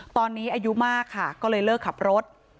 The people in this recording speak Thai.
ตอนนี้อายุมากค่ะก็เลยเลิกขับรถ